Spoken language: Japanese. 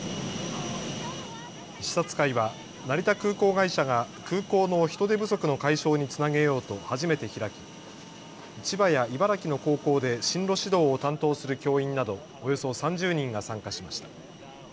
視察会は成田空港会社が空港の人手不足の解消につなげようと初めて開き千葉や茨城の高校で進路指導を担当する教員などおよそ３０人が参加しました。